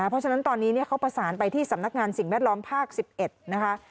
เพราะฉะนั้นตอนนี้เขาประสานไปที่สำนักงานสิ่งแวดล้อมภาค๑๑นะคะ